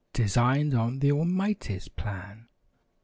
Designed on the Almighty's plan.